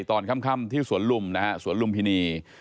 ตอนค่ำที่สวนลุมนะฮะสวนลุมพินี